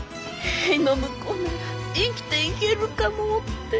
塀の向こうなら生きていけるかもって。